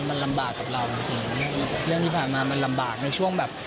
มันลำบากกับเราบางทีเรื่องที่ผ่านมามันลำบากในช่วงแบบ